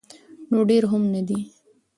نو ډیر هم نه دي.